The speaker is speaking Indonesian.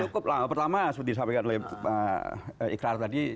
cukup lama pertama seperti disampaikan oleh pak ikrar tadi